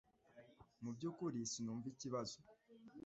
Mu byukuri sinumva iki kibazo